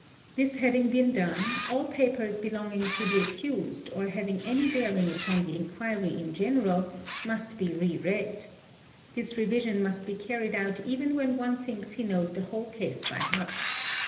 'This having been done, all papers belong ing to the accused or having any bearing upon the inquiry in general must be re read. This revision must be carried out even when one thinks he knows the whole case by heart.